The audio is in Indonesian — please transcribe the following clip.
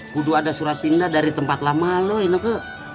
kudu ada surat pindah dari tempat lama lo ineke